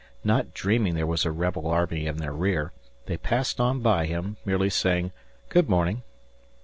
Not dreaming there was a rebel army in their rear, they passed on by him, merely saying "Good morning."